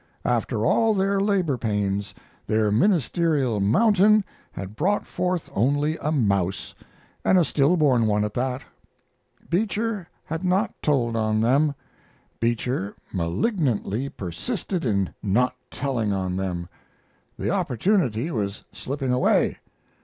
After all their labor pains, their ministerial mountain had brought forth only a mouse and a still born one at that. Beecher had not told on them; Beecher malignantly persisted in not telling on them. The opportunity was slipping away.